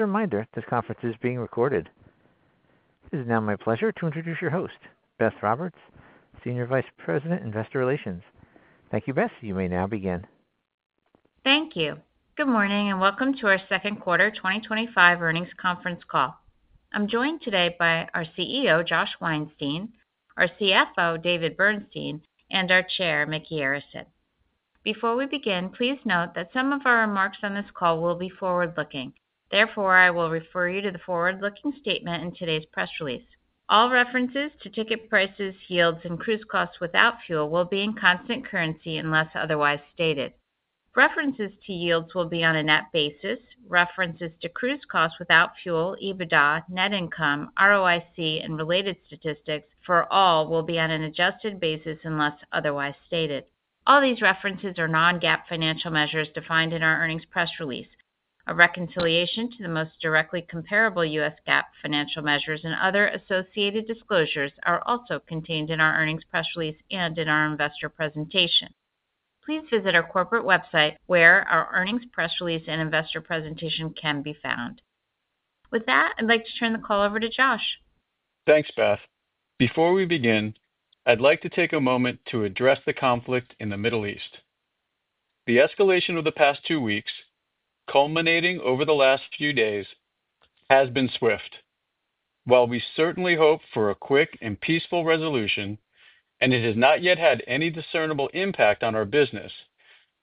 As a reminder, this conference is being recorded. It is now my pleasure to introduce your host, Beth Roberts, Senior Vice President, Investor Relations. Thank you, Beth. You may now begin. Thank you. Good morning and welcome to our second quarter 2025 earnings conference call. I'm joined today by our CEO Josh Weinstein, our CFO David Bernstein, and our Chair, Mickey Arison. Before we begin, please note that some of our remarks on this call will be forward looking. Therefore, I will refer you to the forward looking statement in today's press release. All references to ticket prices, yields, and cruise costs without fuel will be in constant currency unless otherwise stated. References to yields will be on a net basis. References to cruise costs without fuel, EBITDA, net income, ROIC, and related statistics for all will be on an adjusted basis unless otherwise stated. All these references are non-GAAP financial measures defined in our earnings press release. A reconciliation to the most directly comparable U.S. GAAP financial measures and other associated disclosures are also contained in our earnings press release and in our investor presentation. Please visit our corporate website where our earnings press release and investor presentation can be found. With that, I'd like to turn the call over to Josh. Thanks, Beth. Before we begin, I'd like to take a moment to address the conflict in the Middle East. The escalation of the past two weeks, culminating over the last few days, has been swift. While we certainly hope for a quick and peaceful resolution and it has not yet had any discernible impact on our business,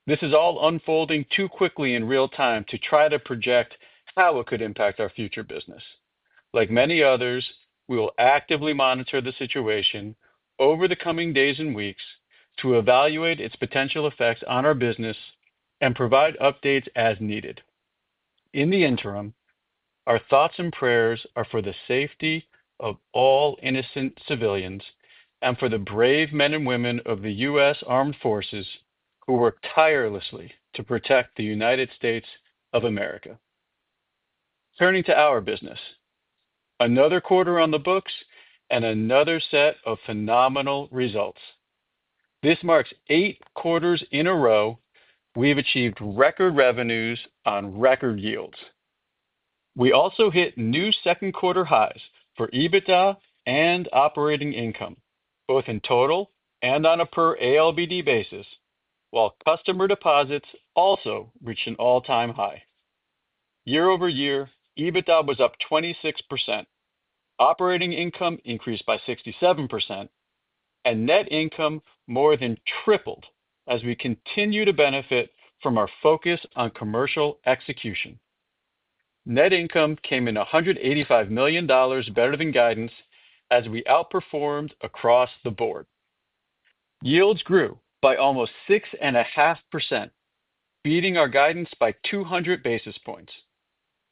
this is all unfolding too quickly in real time to try to project how it could impact our future business. Like many others, we will actively monitor the situation over the coming days and weeks to evaluate its potential effects on our business and provide updates as needed. In the interim, our thoughts and prayers are for the safety of all innocent civilians and for the brave men and women of the U.S. armed forces who work tirelessly to protect the United States of America. Turning to our business, another quarter on the books and another set of phenomenal results. This marks eight quarters in a row we've achieved record revenues on record yields. We also hit new second quarter highs for EBITDA and operating income both in total and on a per ALBD basis. While customer deposits also reach an all time high year over year. EBITDA was up 26%, operating income increased by 67% and net income more than tripled. As we continue to benefit from our focus on commercial execution. Net income came in $185 million better than guidance as we outperformed across the board. Yields grew by almost 6.5%, beating our guidance by 200 basis points.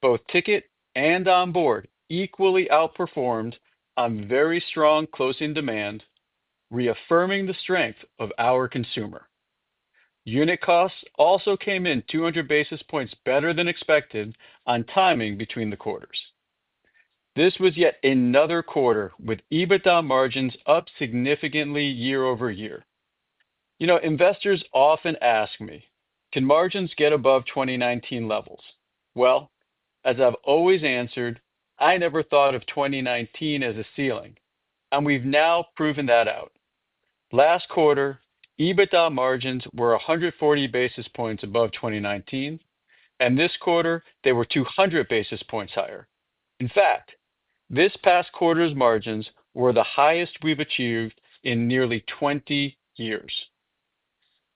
Both ticket and on board equally outperformed on very strong closing demand, reaffirming the strength of our consumer. Unit costs also came in 200 basis points better than expected on timing between the quarters. This was yet another quarter with EBITDA margins up significantly year over year. You know, investors often ask me, can margins get above 2019 levels? As I've always answered, I never thought of 2019 as a ceiling and we've now proven that out. Last quarter EBITDA margins were 140 basis points above 2019 and this quarter they were 200 basis points higher. In fact, this past quarter's margins were the highest we've achieved in nearly 20 years.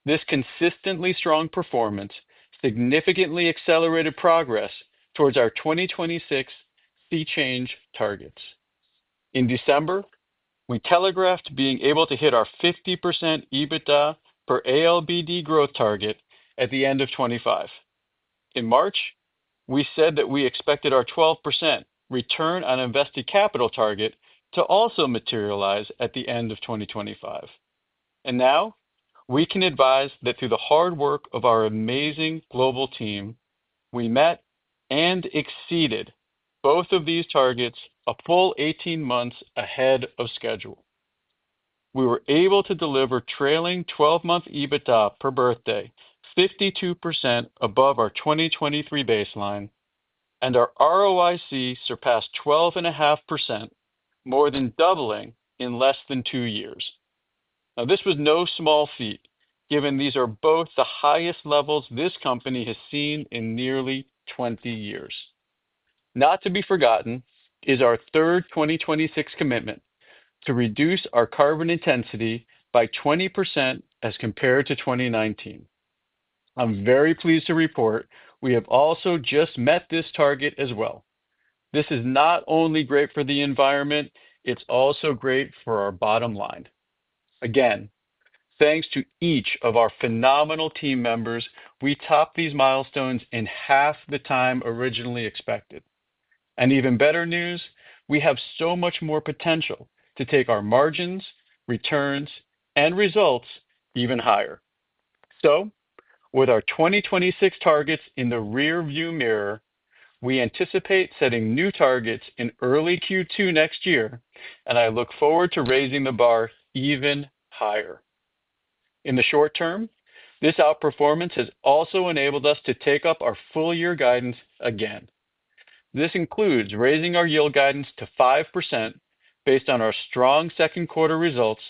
This consistently strong performance significantly accelerated progress towards our 2026 sea change targets. In December we telegraphed being able to hit our 50% EBITDA per ALBD growth target at the end of 2025. In March we said that we expected our 12% return on invested capital target to also materialize at the end of 2025. We can advise that through the hard work of our amazing global team, we met and exceeded both of these targets a full 18 months ahead of schedule. We were able to deliver trailing 12 month EBITDA per berth day 52% above our 2023 baseline and our ROIC surpassed 12.5%, more than doubling in less than two years. This was no small feat given these are both the highest levels this company has seen in nearly 20 years. Not to be forgotten is our third 2026 commitment to reduce our carbon intensity by 20% as compared to 2019. I'm very pleased to report we have also just met this target as well. This is not only great for the environment, it's also great for our bottom line. Again, thanks to each of our phenomenal team members, we topped these milestones in half the time originally expected. Even better news, we have so much more potential to take our margins, returns, and results even higher. With our 2026 targets in the rear view mirror, we anticipate setting new targets in early Q2 next year and I look forward to raising the bar even higher in the short term. This outperformance has also enabled us to take up our full year guidance again. This includes raising our yield guidance to 5% based on our strong second quarter results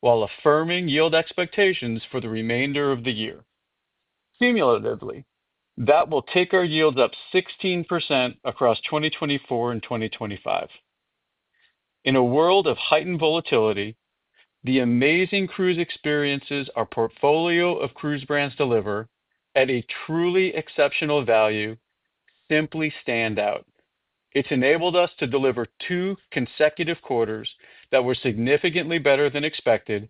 while affirming yield expectations for the remainder of the year. Cumulatively, that will take our yields up 16% across 2024 and 2025. In a world of heightened volatility, the amazing cruise experiences our portfolio of cruise brands deliver at a truly exceptional value is simply stand out. It's enabled us to deliver two consecutive quarters that were significantly better than expected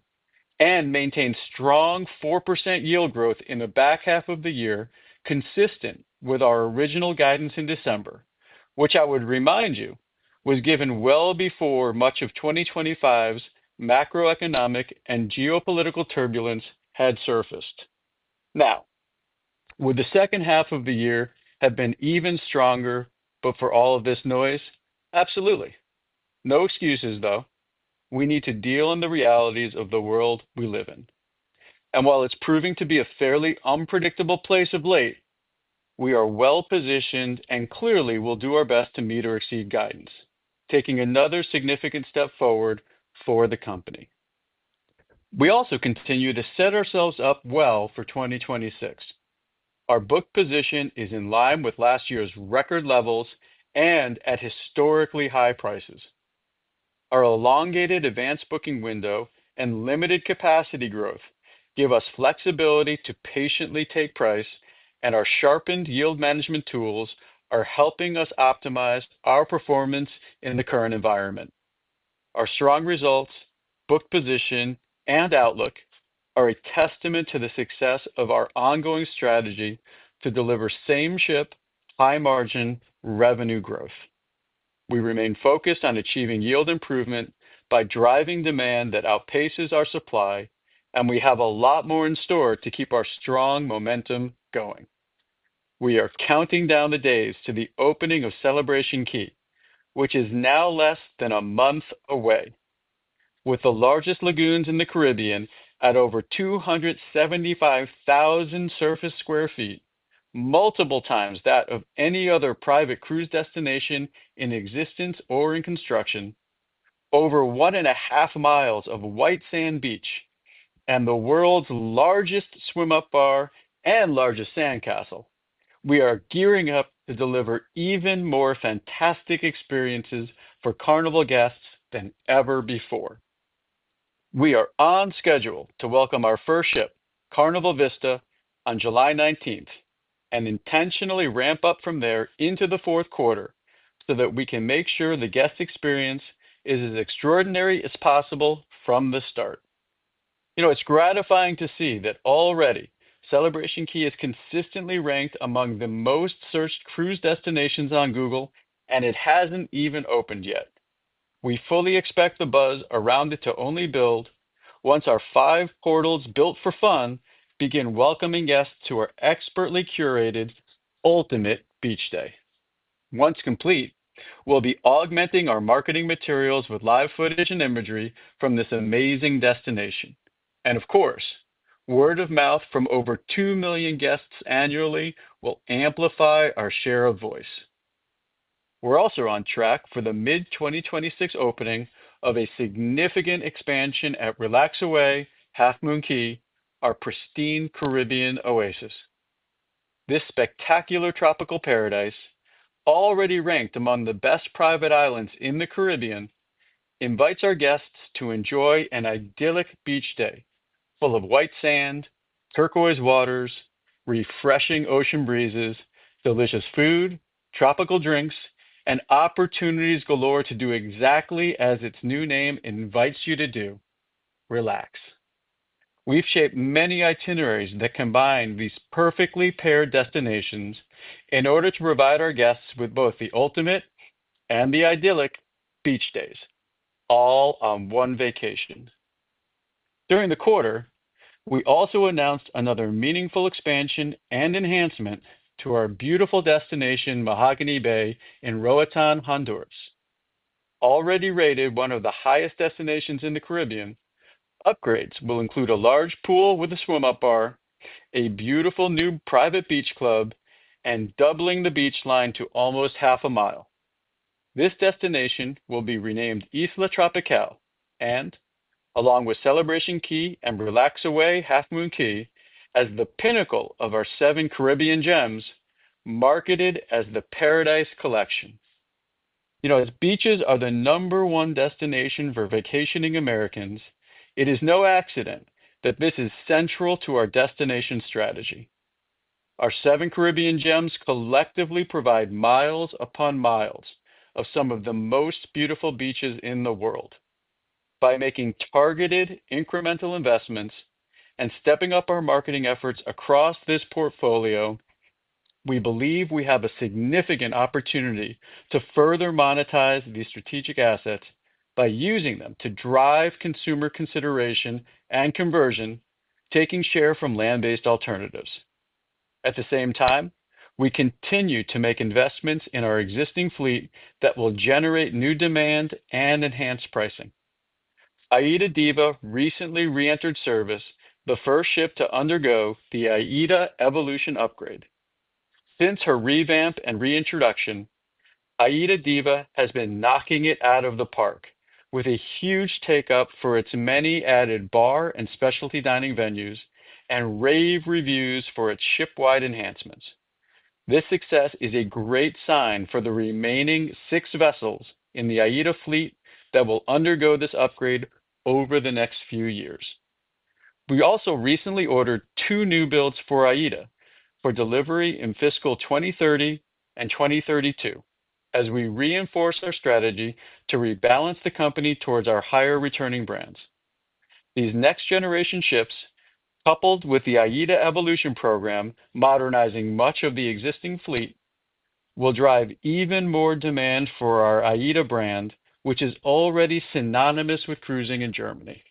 and maintained strong 4% yield growth in the back half of the year, consistent with our original guidance in December, which I would remind you was given well before much of 2025's macroeconomic and geopolitical turbulence had surfaced. Now, would the second half of the year have been even stronger before all of this noise? Absolutely no excuses though. We need to deal in the realities of the world we live in and while it's proving to be a fairly unpredictable place of late, we are well positioned and clearly will do our best to meet or exceed guidance taking another significant step forward for the company. We also continue to set ourselves up well for 2026. Our book position is in line with last year's record levels and at historically high prices. Our elongated advanced booking window and limited capacity growth give us flexibility to patiently take price and our sharpened yield management tools are helping us optimize our performance in the current environment. Our strong results, book position and outlook are a testament to the success of our ongoing strategy to deliver same ship high margin revenue growth. We remain focused on achieving yield improvement by driving demand that outpaces our supply, and we have a lot more in store to keep our strong momentum going. We are counting down the days to the opening of Celebration Key, which is now less than a month away. With the largest lagoons in the Caribbean at over 275,000 sq ft, multiple times that of any other private cruise destination in existence or in construction, over one and a half miles of white sand beach and the world's largest swim up bar and largest sandcastle, we are gearing up to deliver even more fantastic experiences for Carnival guests than ever before. We are on schedule to welcome our first ship, Carnival Vista on July 19th and intentionally ramp up from there into the fourth quarter so that we can make sure the guest experience is as extraordinary as possible from the start. You know, it's gratifying to see that already Celebration Key is consistently ranked among the most searched cruise destinations on Google and it hasn't even opened yet. We fully expect the buzz around it to only build once our five portals built for fun begin welcoming guests to our expertly curated Ultimate Beach Day. Once complete, we will be augmenting our marketing materials with live footage and imagery from this amazing destination. Of course, word of mouth from over 2 million guests annually will amplify our share of voice. We are also on track for the mid-2026 opening of a significant expansion at RelaxAway Half Moon Cay, our pristine Caribbean oasis. This spectacular tropical paradise, already ranked among the best private islands in the Caribbean, invites our guests to enjoy an idyllic beach day full of white sand, turquoise waters, refreshing ocean breezes, delicious food, tropical drinks and opportunities galore to do exactly as its new name invites you to do. Relax. We've shaped many itineraries that combine these perfectly paired destinations in order to provide our guests with both the ultimate and the idyllic beach days all on one vacation. During the quarter, we also announced another meaningful expansion and enhancement to our beautiful destination, Mahogany Bay in Roatan, Honduras. Already rated one of the highest destinations in the Caribbean. Upgrades will include a large pool with a swim up bar, a beautiful new private beach club, and doubling the beach line to almost half a mile. This destination will be renamed Isla Tropical and along with Celebration Key and RelaxAway Half Moon Cay as the pinnacle of our seven Caribbean gems marketed as the Paradise Collection. You know as beaches are the number one destination for vacationing Americans. It is no accident that this is central to our destination strategy. Our seven Caribbean Gems collectively provide miles upon miles of some of the most beautiful beaches in the world. By making targeted incremental investments and stepping up our marketing efforts across this portfolio, we believe we have a significant opportunity to further monetize these strategic assets by using them to drive consumer consideration and conversion, taking share from land based alternatives. At the same time, we continue to make investments in our existing fleet that will generate new demand and enhance pricing. AIDAdiva recently reentered service, the first ship to undergo the AIDA Evolution upgrade. Since her revamp and reintroduction, AIDAdiva has been knocking it out of the park with a huge take up for its many added bar and specialty dining venues and rave reviews for its shipwide enhancements. This success is a great sign for the remaining six vessels in the AIDA fleet that will undergo this upgrade over the next few years. We also recently ordered two new builds for AIDA for delivery in fiscal 2030 and 2032 as we reinforce our strategy to rebalance the company towards our higher returning brands. These next generation ships coupled with the AIDA Evolution program modernizing much of the existing fleet will drive even more demand for our AIDA brand which is already synonymous with cruising in Germany.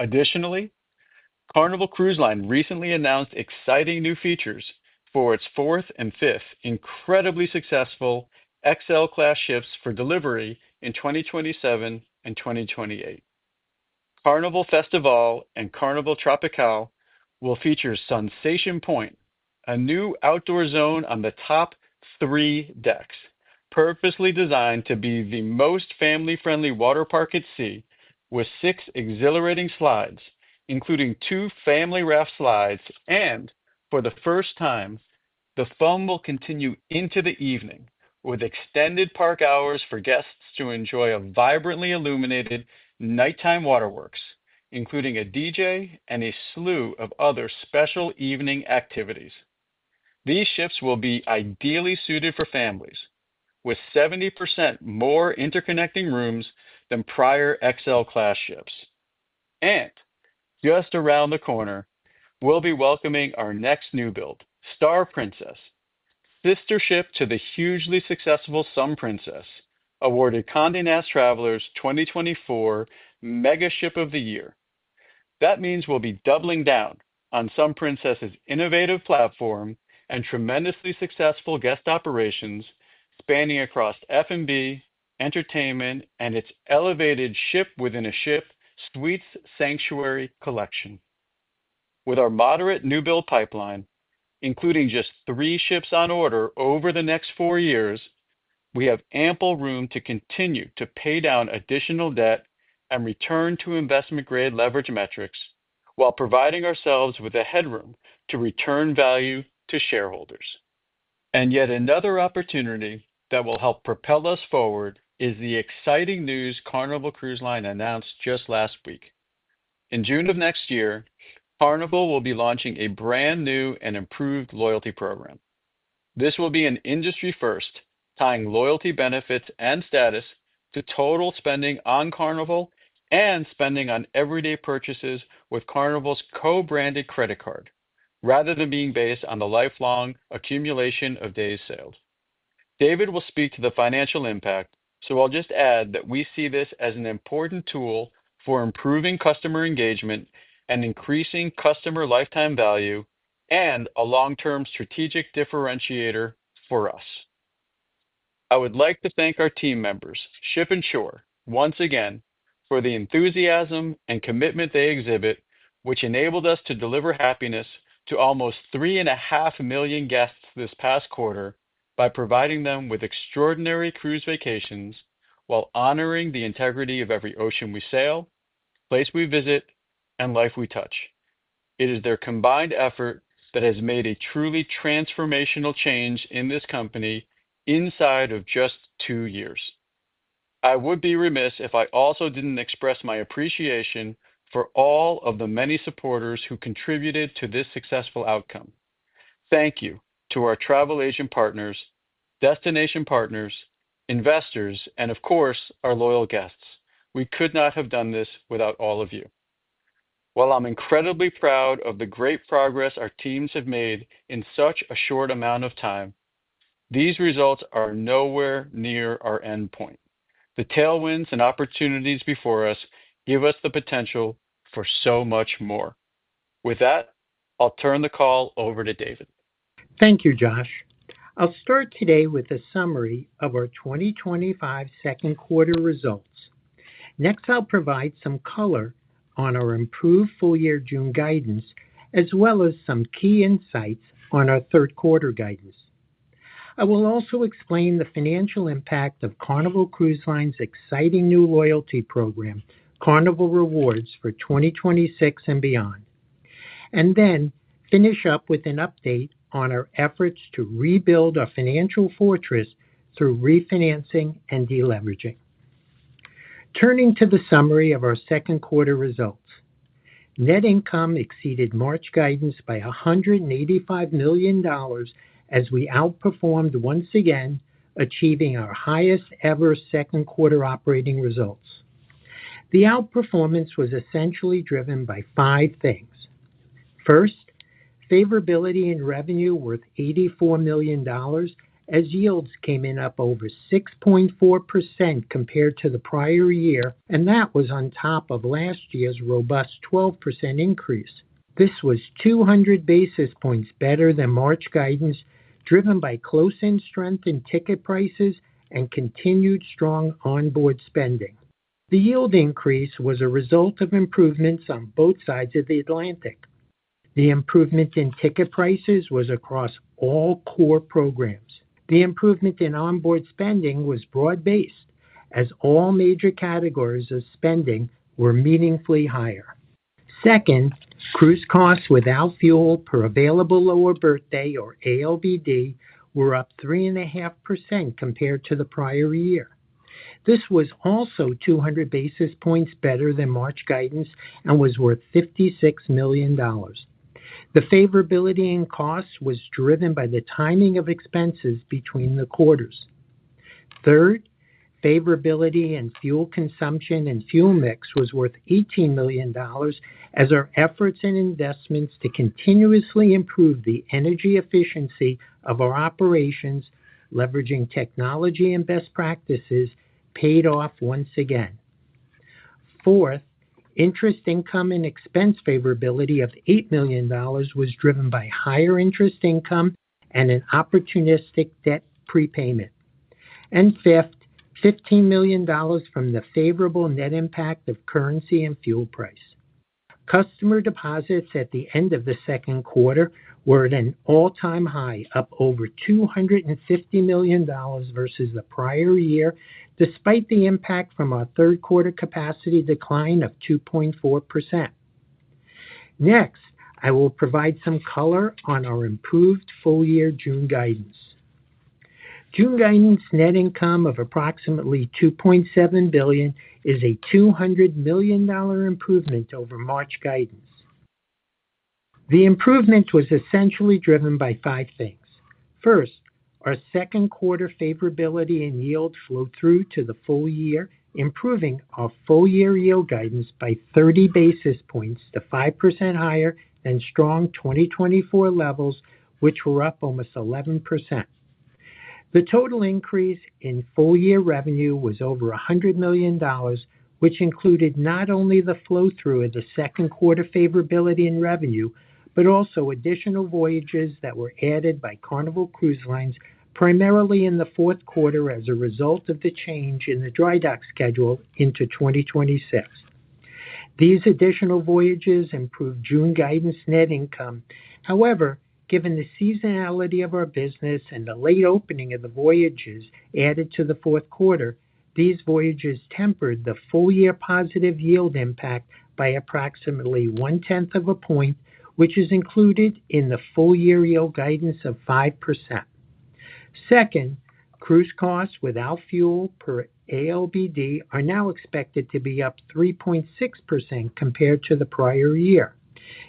Additionally, Carnival Cruise Line recently announced exciting new features for its fourth and fifth incredibly successful XL-class ships for delivery in 2027 and 2028. Carnival Festival and Carnival Tropical will feature Sunsation Point, a new outdoor zone on the top three decks purposely designed to be the most family friendly water park at sea with six exhilarating slides including two family raft slides. For the first time the foam will continue into the evening with extended park hours for guests to enjoy a vibrantly illuminated nighttime waterworks including a DJ and a slew of other special evening activities. These ships will be ideally suited for families with 70% more interconnecting rooms than prior XL class ships. Just around the corner we'll be welcoming our next new build Star Princess, sister ship to the hugely successful Sun Princess, awarded Conde Nast Traveler's 2024 Mega Ship of the Year. That means we'll be doubling down on some Princess innovative platform and tremendously successful guest operations spanning across F and B entertainment and its elevated ship within a Ship suites Sanctuary collection. With our moderate new build pipeline including just three ships on order over the next four years, we have ample room to continue to pay down additional debt and return to investment grade leverage metrics while providing ourselves with a headroom to return value to shareholders. Yet another opportunity that will help propel us forward is the exciting news Carnival Cruise Line announced just last week. In June of next year Carnival will be launching a brand new and improved loyalty program. This will be an industry first tying loyalty, benefits and status to total spending on Carnival and spending on everyday purchases with Carnival's co-branded credit card rather than being based on the lifelong accumulation of days sailed. David will speak to the financial impact. I will just add that we see this as an important tool for improving customer engagement and increasing customer lifetime value and a long-term strategic differentiator for us. I would like to thank our team members ship and shore once again for the enthusiasm and commitment they exhibit which enabled us to deliver happiness to almost three and a half million guests this past quarter by providing them with extraordinary cruise vacations while honoring the integrity of every ocean we sail, place we visit and life we touch. It is their combined effort that has made a truly transformational change in this company inside of just two years. I would be remiss if I also did not express my appreciation for all of the many supporters who contributed to this successful outcome. Thank you to our travel agent partners, destination partners, investors, and of course our loyal guests. We could not have done this without all of you. While I am incredibly proud of the great progress our teams have made in such a short amount of time, these results are nowhere near our endpoint. The tailwinds and opportunities before us give us the potential for so much more. With that, I will turn the call over to David. Thank you, Josh. I'll start today with a summary of our 2025 second quarter results. Next, I'll provide some color on our improved full year June guidance as well as some key insights on our third quarter guidance. I will also explain the financial impact of Carnival Cruise Line's exciting new loyalty program Carnival Rewards for 2026 and beyond and then finish up with an update on our efforts to rebuild our financial fortress through refinancing and deleveraging. Turning to the summary of our second quarter results, net income exceeded March guidance by $185 million as we outperformed once again, achieving our highest ever second quarter operating results. The outperformance was essentially driven by five things. First, favorability in revenue worth $84 million as yields came in up over 6.4% compared to the prior year, and that was on top of last year's robust 12% increase. This was 200 basis points better than March guidance driven by close in strength in ticket prices and continued strong onboard spending. The yield increase was a result of improvements on both sides of the Atlantic. The improvement in ticket prices was across all core programs. The improvement in onboard spending was broad based as all major categories of spending were meaningfully higher. Second, cruise costs without fuel per available lower berth day or ALBD were up 3.5% compared to the prior year. This was also 200 basis points better than March guidance and was worth $56 million. The favorability in costs was driven by the timing of expenses between the quarters. Third, favorability in fuel consumption and fuel mix was worth $18 million as our efforts and investments to continuously improve the energy efficiency of our operations, leveraging technology and best practices paid off once again. Fourth, interest income and expense favorability of $8 million was driven by higher interest income and an opportunistic debt prepayment and fifth, $15 million from the favorable net impact of currency and fuel price. Customer deposits at the end of the second quarter were at an all time high up over $250 million versus the prior year despite the impact from our third quarter capacity decline of 2.4%. Next I will provide some color on our improved full year June guidance. June Guidance Net income of approximately $2.7 billion is a $200 million improvement over March Guidance. The improvement was essentially driven by five things. First, our second quarter favorability in yield flowed through to the full year, improving our full year yield guidance by 30 basis points to 5% higher than strong 2024 levels which were up almost 11%. The total increase in full year revenue was over $100 million, which included not only the flow through of the second quarter favorability in revenue but also additional voyages that were added by Carnival Cruise Line primarily in the fourth quarter. As a result of the change in the dry dock schedule into 2026, these additional voyages improved June guidance net income. However, given the seasonality of our business and the late opening of the voyages added to the fourth quarter, these voyages tempered the full year positive yield impact by approximately 1/10 of a point which is included in the full year yield guidance of 5%. Second, cruise costs without fuel per ALBD are now expected to be up 3.6% compared to the prior year.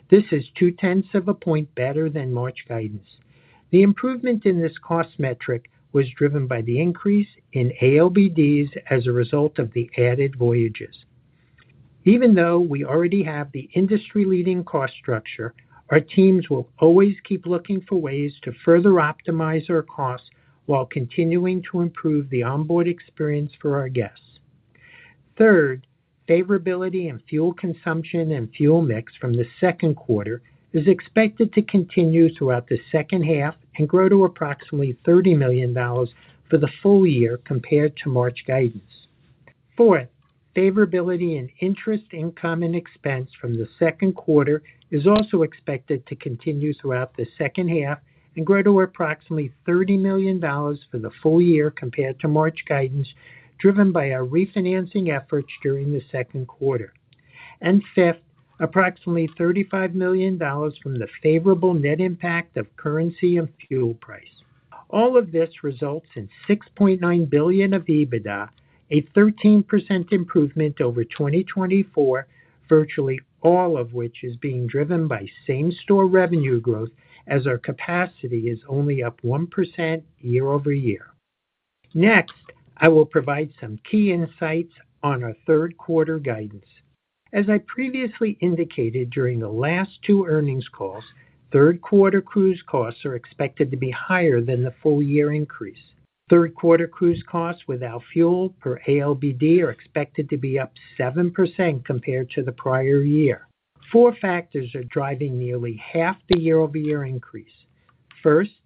This is 2/10 of a point better than March guidance. The improvement in this cost metric was driven by the increase in ALBDs as a result of the added voyages. Even though we already have the industry leading cost structure, our teams will always keep looking for ways to further optimize our costs while continuing to improve the onboard experience for our guests. Third, favorability in fuel consumption and fuel mix from the second quarter is expected to continue throughout the second half and grow to approximately $30 million for the full year compared to March guidance. Fourth, favorability in interest income and expense from the second quarter is also expected to continue throughout the second half and grow to approximately $30 million for the full year compared to March guidance driven by our refinancing efforts during the second quarter and fifth, approximately $35 million from the favorable net impact of currency and fuel price. All of this results in $6.9 billion of EBITDA, a 13% improvement over 2024, virtually all of which is being driven by same store revenue growth as our capacity is only up 1% year over year. Next I will provide some key insights on our third quarter guidance. As I previously indicated during the last two earnings calls, third quarter cruise costs are expected to be higher than the full year increase. Third quarter cruise costs without fuel per ALBD are expected to be up 7% compared to the prior year. Four factors are driving nearly half the year over year increase. First,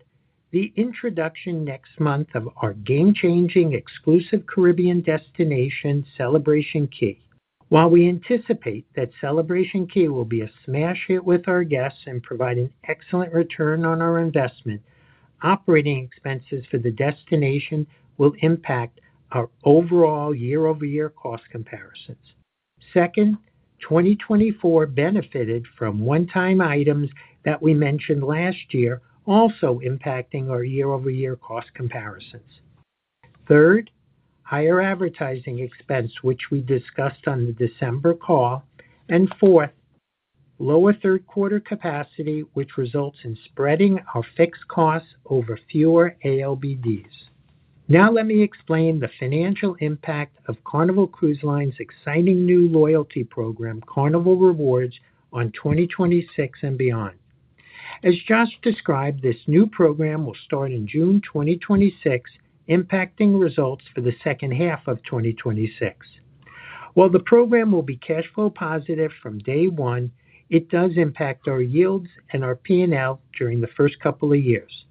the introduction next month of our game changing exclusive Caribbean destination Celebration Key. While we anticipate that Celebration Key will be a smash hit with our guests and provide an excellent return on our investment. Operating expenses for the destination will impact our overall year over year cost comparisons. Second, 2024 benefited from one time items that we mentioned last year, also impacting our year over year cost comparisons. Third, higher advertising expense which we discussed on the December call, and fourth, lower third quarter capacity which results in spreading our fixed costs over fewer ALBDs. Now let me explain the financial impact of Carnival Cruise Line's exciting new loyalty program Carnival Rewards on 2026 and beyond. As Josh described, this new program will start in June 2026, impacting results for the second half of 2026. While the program will be cash flow positive from day one, it does impact our yields and our P&L during the first couple of years.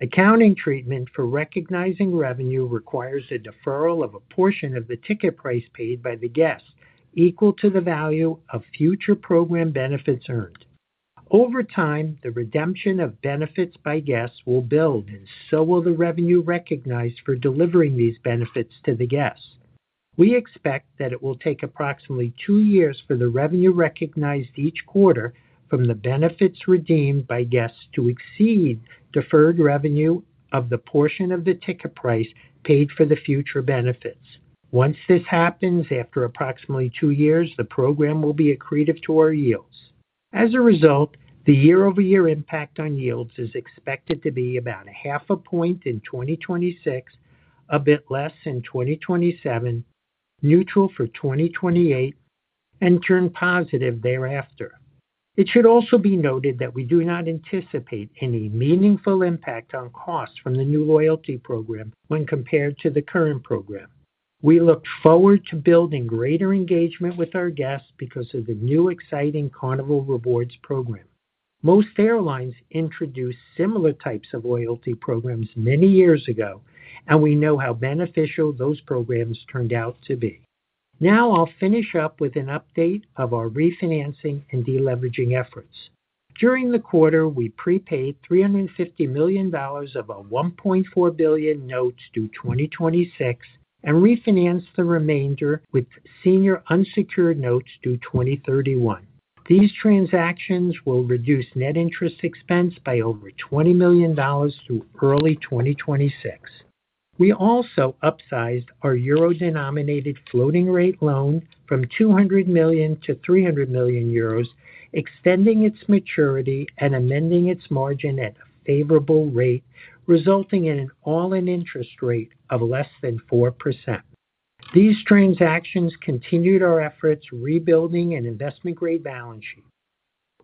Accounting treatment for recognizing revenue requires a deferral of a portion of the ticket price paid by the guests equal to the value of future program benefits earned over time. The redemption of benefits by guests will build and so will the revenue recognized for delivering these benefits to the guests. We expect that it will take approximately two years for the revenue recognized each quarter from the benefits redeemed by guests to exceed deferred revenue and of the portion of the ticket price paid for the future benefits. Once this happens, after approximately two years, the program will be accretive to our yields. As a result, the year over year impact on yields is expected to be about a half a point in 2026, a bit less in 2027, neutral for 2028 and turn positive thereafter. It should also be noted that we do not anticipate any meaningful impact on costs from the new loyalty program when compared to the current program. We look forward to building greater engagement with our guests because of the new exciting Carnival Rewards program. Most airlines introduced similar types of loyalty programs many years ago and we know how beneficial those programs turned out to be. Now I'll finish up with an update of our refinancing and deleveraging efforts. During the quarter we prepaid $350 million of our $1.4 billion notes due 2026 and refinanced the remainder with senior unsecured notes due 2031. These transactions will reduce net interest expense by over $20 million through early 2026. We also upsized our euro denominated floating rate loan from 200 million to 300 million euros, extending its maturity and amending its margin at a favorable rate resulting in an offset interest rate of less than 4%. These transactions continued our efforts, rebuilding an investment grade balance sheet.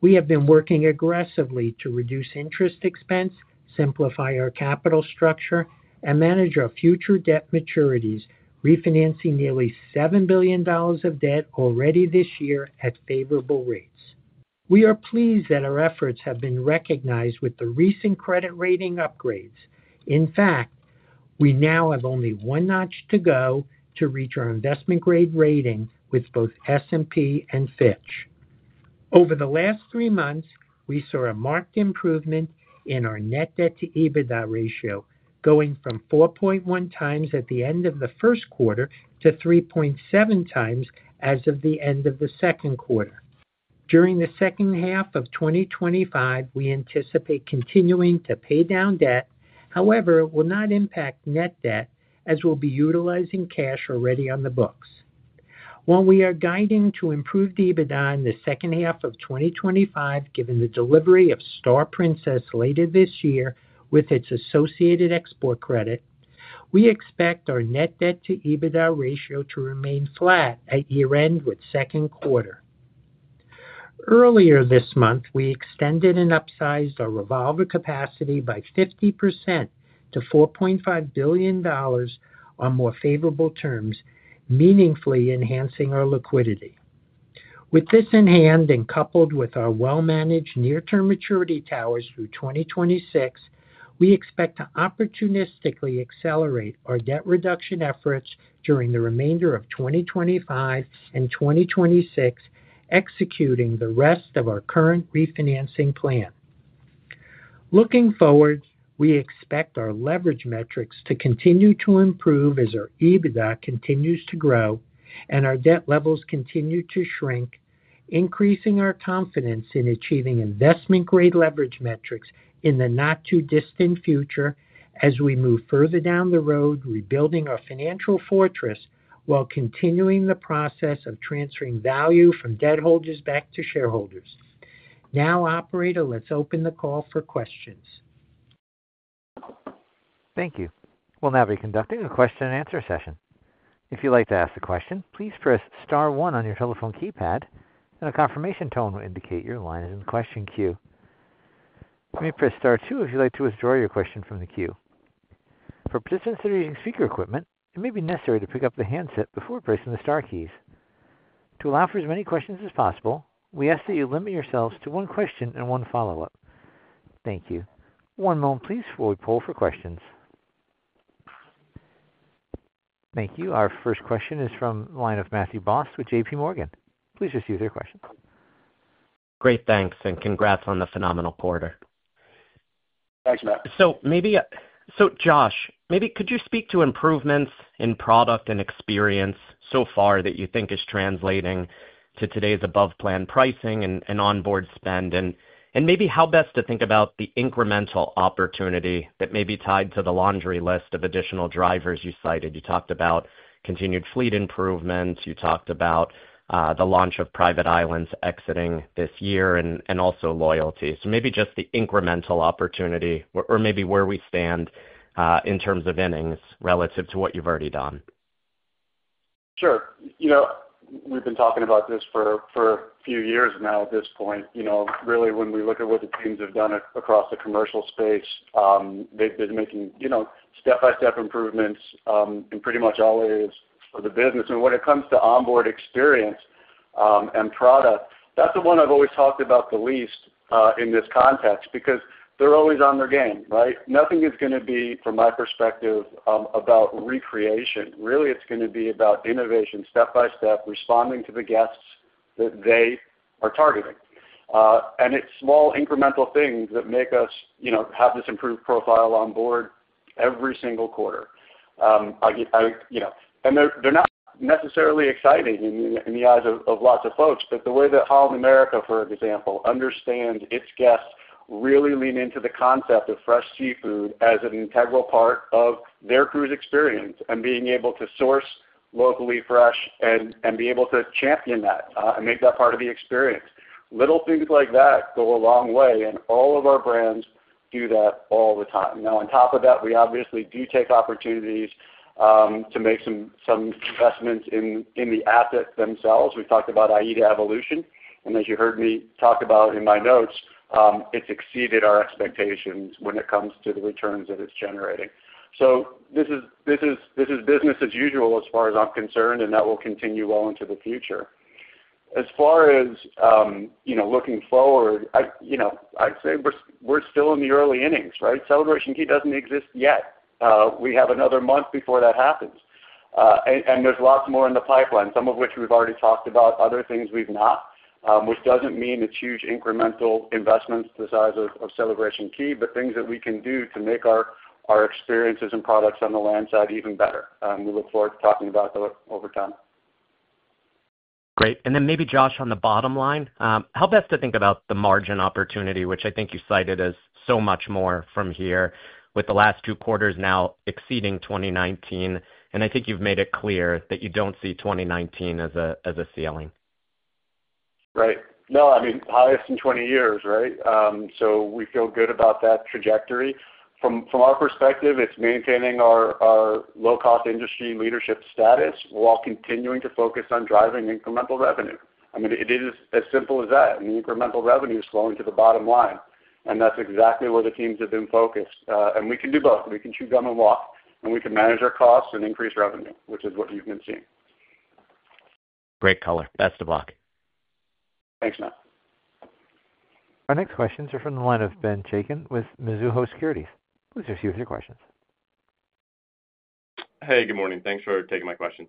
We have been working aggressively to reduce interest expense, simplify our capital structure and manage our future debt maturities, refinancing nearly $7 billion of debt already this year at favorable rates. We are pleased that our efforts have been recognized with the recent credit rating upgrades and in fact we now have only one notch to go to reach our investment grade rating with both S&P and Fitch. Over the last three months we saw a marked improvement in our net debt to EBITDA ratio going from 4.1x at the end of the first quarter to 3.7x as of the end of the second quarter. During the second half of 2025 we anticipate continuing to pay down debt, and however it will not impact net debt as we'll be utilizing cash already on the books while we are guiding to improved EBITDA in the second half of 2025. Given the delivery of Star Princess later this year with its associated export credit, we expect our net debt to EBITDA ratio to remain flat at year end with second quarter. Earlier this month we extended and upsized our revolver capacity by 50% to $4.5 billion on more favorable terms, meaningfully enhancing our liquidity. With this in hand and coupled with our well managed near term maturity towers through 2026, we expect to opportunistically accelerate our debt reduction efforts during the remainder of 2025 and 2026, executing the rest of our current refinancing plan. Looking forward, we expect our leverage metrics to continue to improve as our EBITDA continues to grow and our debt levels continue to shrink, increasing our confidence in achieving investment grade leverage metrics in the not too distant future as we move further down the road, rebuilding our financial fortress while continuing the process of transferring value from debt holders back to shareholders. Now, Operator, let's open the call for questions. Thank you. We'll now be conducting a question and answer session. If you'd like to ask a question, please press star one on your telephone keypad and a confirmation tone will indicate your line is in the question queue. You may press star two if you'd like to withdraw your question from the queue. For participants that are using speaker equipment, it may be necessary to pick up the handset before pressing the star keys. To allow for as many questions as possible, we ask that you limit yourselves to one question and one follow up. Thank you. One moment please before we poll for questions. Thank you. Our first question is from the line of Matthew Boss with JPMorgan. Please receive your questions. Great. Thanks and congrats on the phenomenal quarter. Thanks Matt. So Josh, maybe could you speak to improvements in product and experience so far that you think is translating to today's above plan pricing and onboard spend? And maybe how best to think about the incremental opportunity that may be tied to the laundry list of additional drivers you cited. You talked about continued fleet improvements, you talked about the launch of private islands exiting this year, and also loyalty. So maybe just the incremental opportunity or maybe where we stand in terms of innings relative to what you've already done. Sure. You know, we've been talking about this for a few years now at this point. You know, really, when we look at what the teams have done across the commercial space, they've been making, you know, step by step improvements in pretty much all areas of the business. When it comes to onboard experience and product, that's the one I've always talked about the least in this context, because they're always on their game. Right. Nothing is going to be, from my perspective, about recreation, really. It's going to be about innovation, step by step, responding to the guests that they are targeting. It's small incremental things that make us have this improved profile on board every single quarter. They are not necessarily exciting in the eyes of lots of folks. The way that Holland America, for example, understands its guests really leans into the concept of fresh seafood as an integral part of their cruise experience and being able to source locally fresh and be able to champion that and make that part of the experience, little things like that go a long way. All of our brands do that all the time. On top of that, we obviously do take opportunities to make some investments in the assets themselves. We talked about AIDA Evolution, and as you heard me talk about in my notes, it has exceeded our expectations when it comes to the returns that it is generating. This is business as usual as far as I am concerned. That will continue well into the future. As far as looking forward, I would say we are still in the early innings. Right. Celebration Key does not exist yet. We have another month before that happens. There is lots more in the pipeline, some of which we have already talked about. Other things we have not. Which does not mean it is huge incremental investments the size of Celebration Key, but things that we can do to make our experiences and products on the land side even better. We look forward to talking about those over time. Great. Maybe, Josh, on the bottom line, how best to think about the. Margin opportunity, which I think you cited. As so much more from here with the last two quarters now exceeding 2019. I think you've made it clear that you don't see 2019 as a ceiling. Right. No, I mean highest in 20 years. Right. We feel good about that trajectory, from our perspective, it is maintaining our low cost industry leadership status while continuing to focus on driving incremental revenue. I mean, it is as simple as that. Incremental revenue is flowing to the bottom line and that is exactly where the teams have been focused. We can do both. We can chew gum and walk and we can manage our costs and increase revenue, which is what you have been seeing. Great color. Best of luck. Thanks, Matt. Our next questions are from the line of Ben Chaiken with Mizuho Securities. Please review your questions. Hey, good morning. Thanks for taking my questions.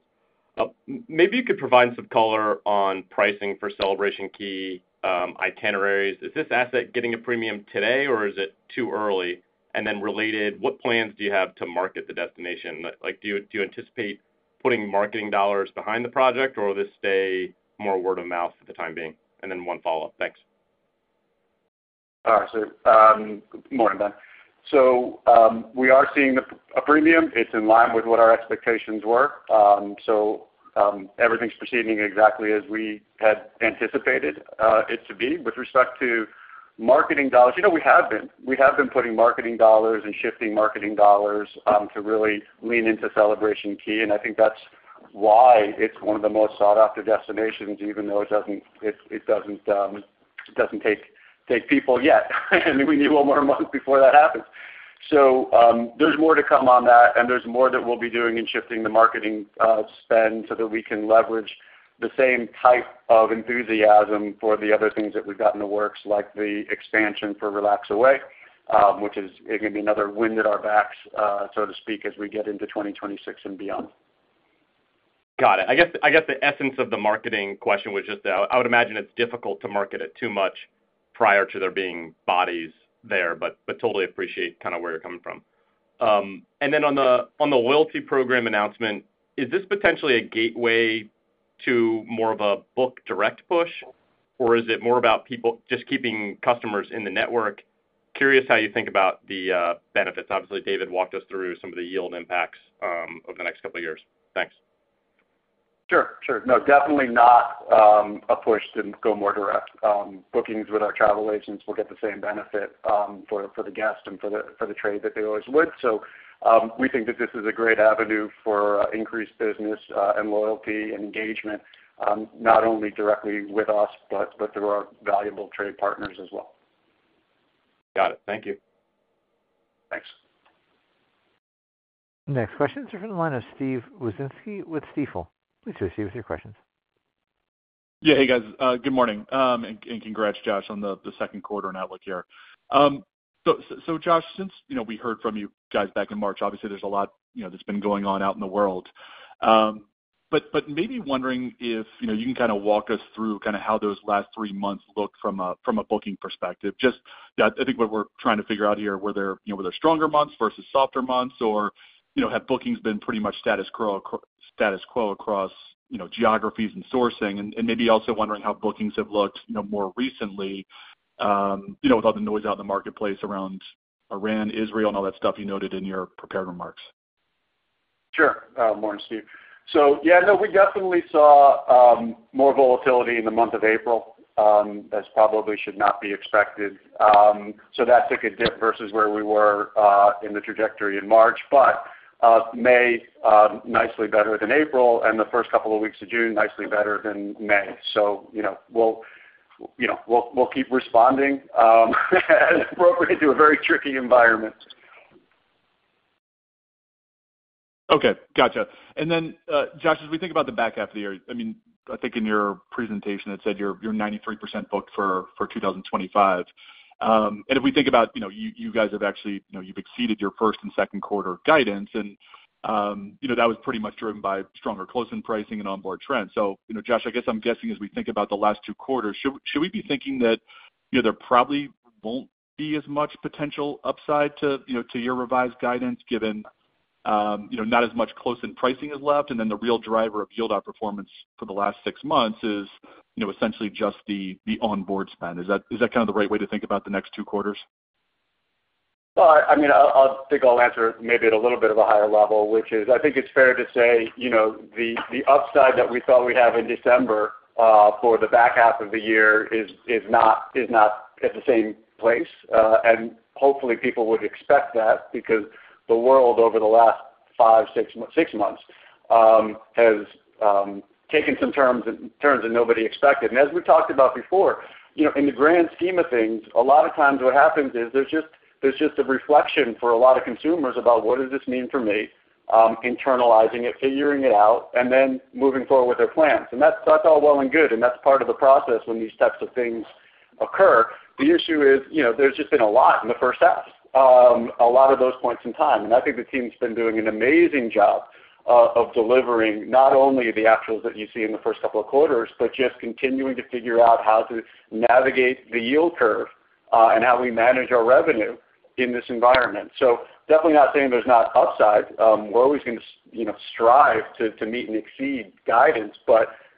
Maybe you could provide some color on pricing for Celebration Key itineraries. Is this asset getting a premium today or is it too early? Related, what plans do you have to market the destination? Like do you anticipate putting marketing dollars behind the project or will this stay more word of mouth for the time being and then one follow up. Thanks. Morning, Ben. We are seeing a premium. It's in line with what our expectations were. Everything is proceeding exactly as we had anticipated it to be. With respect to marketing dollars, you know, we have been putting marketing dollars and shifting marketing dollars to really lean into Celebration Key and I think that's why it's one of the most sought after destinations even though it doesn't take people yet. We need one more month before that happens. There's more to come on that and there's more that we'll be doing in shifting the marketing spend so that we can leverage the same type of enthusiasm for the other things that we've got in the works like the expansion for RelaxAway, which is going to be another wind at our backs, so to speak, as we get into 2026 and beyond. Got it. I guess the essence of the marketing question was just I would imagine it's difficult to market it too much prior to there being bodies there, but totally appreciate kind of where you're coming from. Then on the loyalty program announcement, is this potentially a gateway to more of a book direct push or is it more about people just keeping customers in the network? Curious how you think about the benefits. Obviously David walked us through some of the yield impacts over the next couple years. Thanks. Sure. Sure. No, definitely not a push to go more direct bookings with our travel agents will get the same benefit for the guest and for the trade that they always would. We think that this is a great avenue for increased business and loyalty and engagement not only directly with us, but through our valuable trade partners as well. Got it. Thank you. Thanks. Next question is from the line of Steve Wieczynski with Stifel. Please proceed with your questions. Yeah. Hey, guys. Good morning and congrats, Josh, on the second quarter and outlook here. Josh, since we heard from you guys back in March, obviously there's a lot that's been going on out in the world, but maybe wondering if you can kind of walk us through kind of how those last three months look from a booking perspective. Just I think what we're trying to figure out here, were there stronger months versus softer months, or have bookings been pretty much status quo across geographies and sourcing? Maybe also wondering how bookings have looked more recently with all the noise out in the marketplace around Iran, Israel and all that stuff you noted in your prepared remarks. Sure. Yeah, we definitely saw more volatility in the month of April as probably should not be expected. That took a dip versus where we were in the trajectory in March, but May nicely better than April and the first couple of weeks of June nicely better than May. We'll, you know, we'll keep responding as appropriate to a very tricky environment. Okay, gotcha. And then, Josh, as we think about the back half of the year, I mean, I think in your presentation it said you're 93% booked for 2025. And if we think about, you know, you guys have actually, you've exceeded your first and second quarter guidance. And, you know, that was pretty much driven by stronger close in pricing and onboard trend. So, you know, Josh, I guess, I'm guessing as we think about the last two quarters, should we be thinking that there probably won't be as much potential upside to your revised guidance given not as much close in pricing is left? And then the real driver of yield outperformance for the last six months is essentially just the onboard spend. Is that kind of the right way to think about the next two quarters? I mean, I think I'll answer maybe at a little bit of a higher level, which is, I think it's fair to say the upside that we thought we'd have in December for the back half of the year is not at the same place. I think people would expect that because the world over the last five, six months has taken some turns that nobody expected. As we talked about before, in the grand scheme of things, a lot of times what happens is there's just a reflection for a lot of consumers about what does this mean for me, internalizing it, figuring it out and then moving forward with their plans. That's all well and good and that's part of the process when these types of things occur. The issue is there's just been a lot in the first half, a lot of those points in time and I think the team's been doing an amazing job of delivering not only the actuals that you see in the first couple of quarters, but just continuing to figure out how to navigate the yield curve and how we manage our revenue in this environment. Definitely not saying there's not upside down, always going to strive to meet and exceed guidance.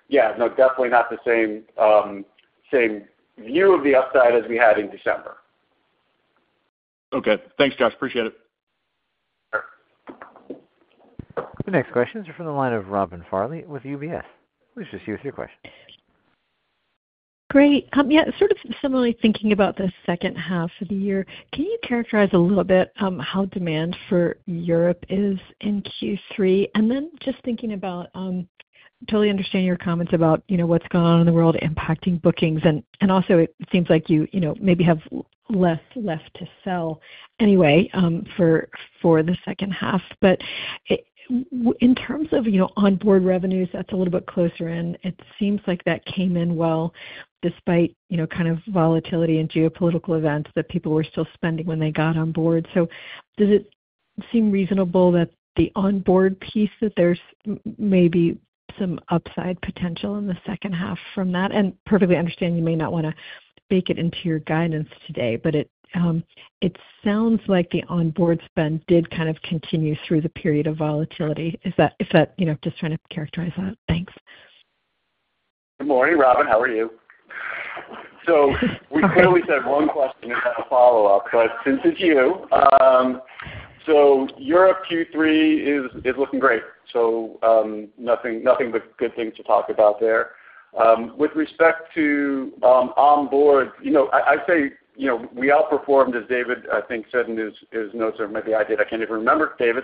Yeah, definitely not the same. View. Of the upside as we had in December. Okay, thanks Josh. Appreciate it. The next question is from the line of Robin Farley with UBS. Let's just you with your question. Great. Sort of similarly thinking about the second half of the year, can you characterize a little bit how demand for Europe is in Q3? And then just thinking about totally understanding your comments about, you know, what's going on in the world impacting bookings. And also it seems like you maybe have less left to sell anyway for the second half. In terms of onboard revenues, that's a little bit closer in. It seems like that came in well despite kind of volatility and geopolitical events that people were still spending when they got on board. Does it seem reasonable that the onboard piece, that there's maybe some upside potential in the second half from that? I perfectly understand you may not want to bake it into your guidance today, but it sounds like the onboard spend did kind of continue through the period of volatility. Is that. Is that, you know, just trying to characterize that. Thanks. Good morning, Robin. How are you? We clearly said one question and then a follow up, but since it's you. Europe Q3 is looking great, so nothing but good things to talk about there. With respect to onboard, I say we outperformed as David, I think, said in his notes, or maybe I did, I can't even remember. David,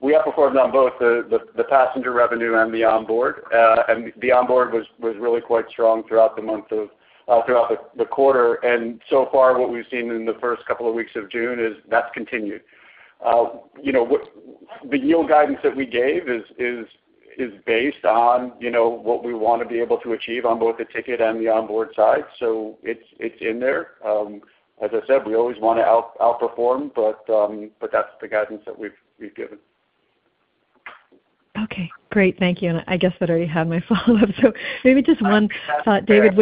we outperformed on both the passenger revenue and the onboard, and the onboard was really quite strong throughout the month of, throughout the quarter. So far what we've seen in the first couple of weeks of June is that's continued. The yield guidance that we gave is based on what we want to be able to achieve on both the ticket and the onboard side, so it's in there. As I said, we always want to outperform, but that's the guidance that we've given. Okay, great. Thank you. I guess I already had my follow up, so maybe just one thought, David.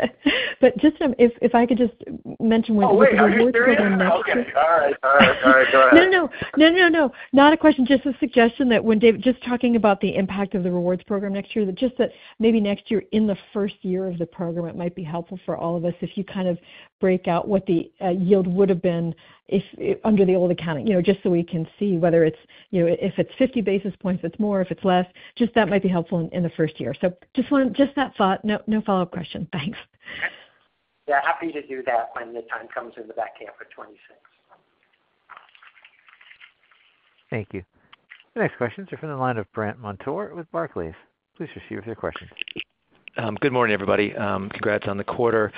Very fair, thank you, Rob. If I could just mention one. No, not a question, just a suggestion that when David, just talking about the impact of the rewards program next year, just that maybe next year in the first year of the program, it might be helpful for all of us if you kind of break out what the yield would have been under the old accounting just so we can see whether it's, if it's 50 basis points, it's more. If it's less, just that might be helpful in the first year. Just want just that thought, no follow up question. Thanks. Yeah, happy to do that when the time comes in the back half of 2026. Thank you. The next questions are from the line of Brandt Montour with Barclays Please proceed with your question. Good morning everybody. Congrats on the quarter.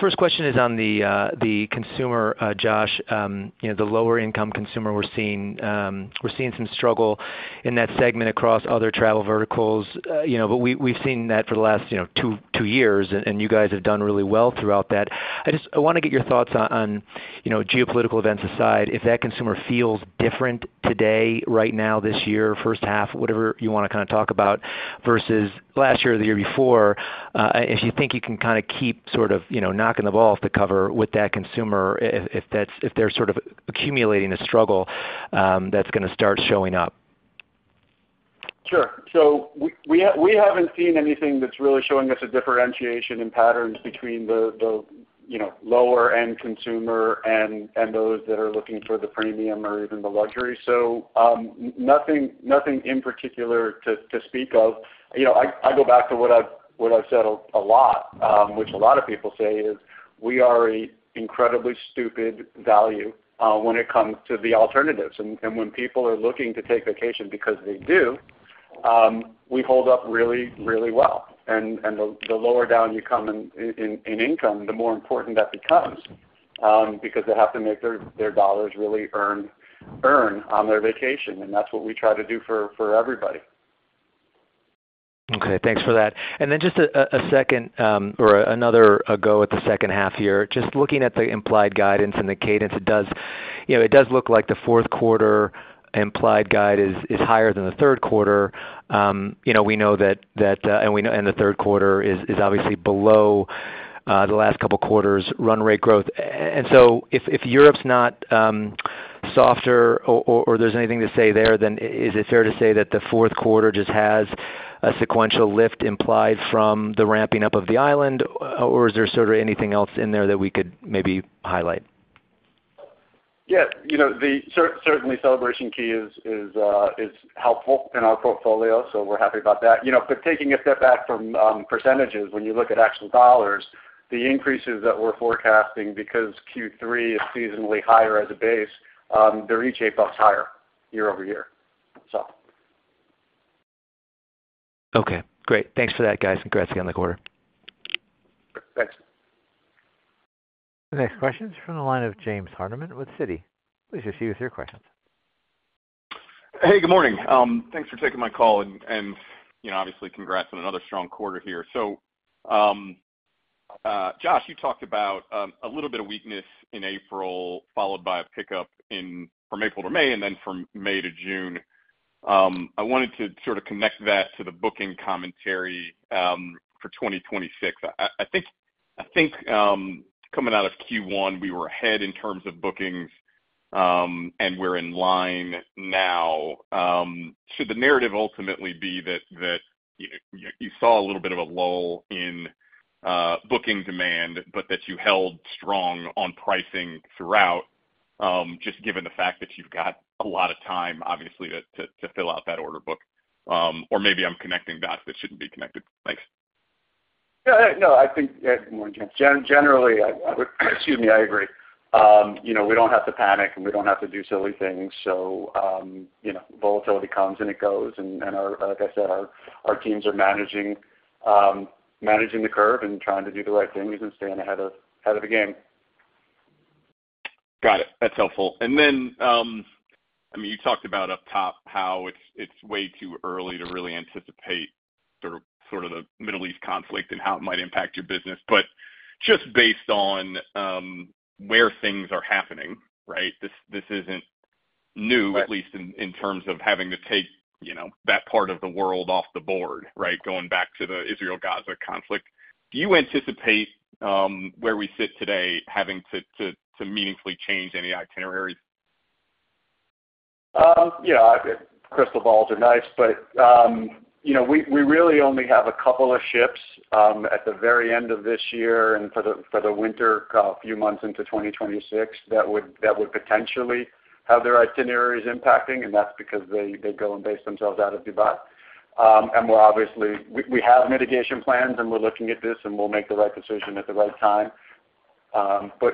First question is on the consumer, Josh, the lower income consumer. We're seeing some struggle in that segment across other travel versions, verticals, but we've seen that for the last two years and you guys have done really well throughout that. I just want to get your thoughts on geopolitical events aside, if that consumer feels different today, right now, this year, first half, whatever you want to kind of talk about versus last year or the year before, if you think you can kind of keep sort of knocking the ball off the COVID with that consumer, if they're sort of accumulating a struggle, that's going to start showing up. Sure. We have not seen anything that is really showing us a differentiation in patterns between the lower end consumer and those that are looking for the premium or even the luxury. Nothing in particular to speak of. I go back to what I have said a lot, which a lot of people say is we are an incredibly stupid value when it comes to the alternatives. When people are looking to take vacation because they do, we hold up really, really well. The lower down you come in income, the more important that becomes because they have to make their dollars really earn on their vacation. That is what we try to do for everybody. Okay, thanks for that. Just a second or another go at the second half here. Just looking at the implied guidance and the cadence, it does look the fourth quarter implied guide is higher than the third quarter. We know that. The third quarter is obviously below the last couple quarters run rate growth. If Europe's not softer or there's anything to say there, then is it fair to say that the fourth quarter just has a sequential lift implied from the ramping up of the island, or is there sort of anything else in there that we could maybe highlight? Yes, certainly Celebration Key is helpful in our portfolio, so we're happy about that. Taking a step back from percentages, when you look at actual dollars, the increases that we're forecasting, because Q3 is seasonally higher as a base, they're each $8 higher year over year. Okay, great. Thanks for that, guys. Congrats again on the quarter. Thanks. The next question is from the line of James Hardiman with Citi. Please receive your questions. Hey, good morning. Thanks for taking my call. Obviously, congrats on another strong quarter here. So. Josh, you talked about a little bit of weakness in April, followed by a pickup from April to May and then from May to June. I wanted to sort of connect that to the booking commentary for 2026. I think coming out of Q1, we were ahead in terms of bookings, and we're in line now. Should the narrative ultimately be that you saw a little bit of a lull in booking demand, but that you held strong on pricing throughout, just given the fact that you've got a lot of time, obviously, to fill out that order book? Or maybe I'm connecting dots that shouldn't be connected. Thanks. No, I think generally. Excuse me. I agree. We do not have to panic and we do not have to do silly things. Volatility comes and it goes. Like I said, our teams are managing the curve and trying to do the right things and staying ahead of the game. Got it. That's helpful. I mean, you talked about up top, how it's way too early to really anticipate sort of the Middle East conflict and how it might impact your business, but just based on where things are happening, right. This. This isn't new, at least in terms of having to take, you know, that. Part of the world off the board, right. Going back to the Israel Gaza conflict, do you anticipate where we sit today having to meaningfully change any itineraries? Yeah, crystal balls are nice, but we really only have a couple of ships at the very end of this year. For the winter, a few months into 2026, that would potentially have their itineraries impacting, and that's because they go and base themselves out of Dubai. We're obviously, we have mitigation plans and we're looking at this and we'll make the right decision at the right time.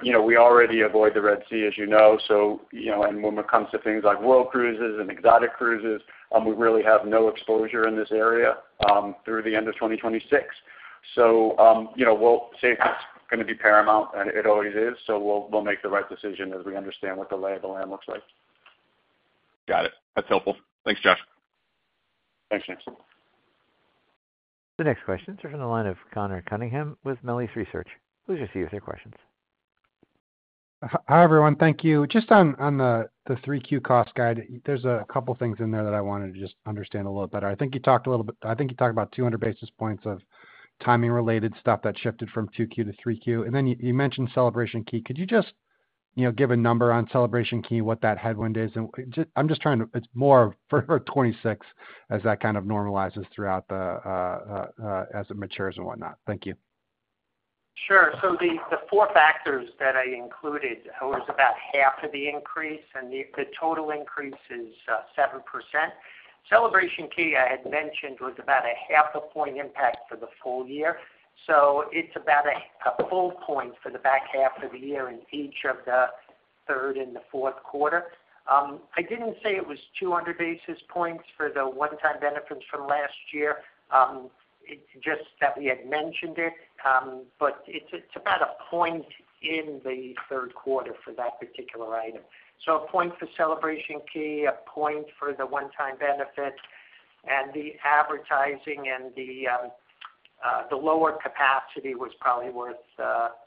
You know, we already avoid the Red Sea, as you know, so, you know, and when it comes to things like world cruises and exotic cruises, we really have no exposure in this area through the end of 2026. You know, safety is going to be paramount and it always is. We'll make the right decision as we understand what the lay of the land looks like. Got it. That's helpful. Thanks, Josh. Thanks. The next question, the line of Connor Cunningham with Melius Research. Please receive your questions. Hi everyone. Thank you. Just on the 3Q cost guide, there's a couple things in there that I wanted to just understand a little better. I think you talked a little bit. I think you talked about 200 basis points of timing related stuff that shifted. From 2Q to 3Q. You mentioned Celebration Key. Could you just give a number on Celebration Key, what that headwind is? I'm just trying to, it's more for 2026 as that kind of normalizes throughout the, as it matures and whatnot. Thank you. Sure. The four factors that I included was about half of the increase and the total increase is 7%. Celebration Key I had mentioned was about a half a point impact for the full year. It is about a full point for the back half of the year in each of the third and the fourth quarter. I did not say it was 200 basis points for the one time benefits from last year, just that we had mentioned it. It is about a point in the third quarter for that particular item. A point for Celebration Key, a point for the one time benefit, and the advertising and the lower capacity was probably worth